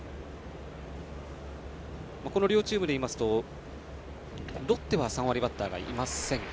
この両チームでいいますとロッテは３割バッターがいません。